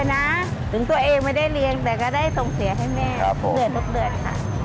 ถึงตัวเองไม่ได้เรียนแต่ก็ได้ส่งเสียให้แม่